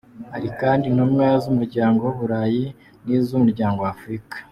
Hari kandi intumwa z'umuryango w'Ubulaya, n'izo Umuryango w'Afrika.